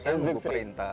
saya nunggu perintah